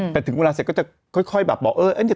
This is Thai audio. แต่ถึงเวลาเสร็จก็จะค่อยแบบบอก